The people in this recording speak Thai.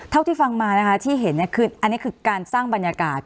เท่าที่ฟังมานะคะที่เห็นคืออันนี้คือการสร้างบรรยากาศ